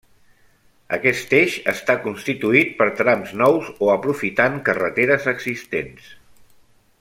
Aquest eix està constituït per trams nous o aprofitant carreteres existents.